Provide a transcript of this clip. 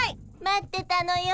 待ってたのよ。